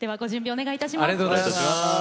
お願いいたします。